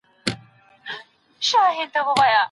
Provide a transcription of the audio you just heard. هلک د نجلۍ له علم څخه څنګه خبريږي؟